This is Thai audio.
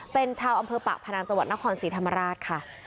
เป็นชาวอำเภอปากพนังจังหวัดนครศรีธรรมราชค่ะ